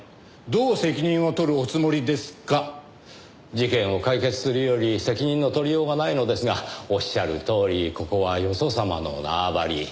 事件を解決するより責任の取りようがないのですがおっしゃるとおりここはよそ様の縄張り。